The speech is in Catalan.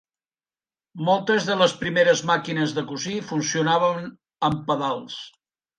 Moltes de les primeres màquines de cosir funcionaven amb pedals.